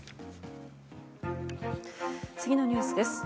次のニュースです。